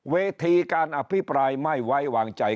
เวทีการอภิปรายไม่ไว้วางใจ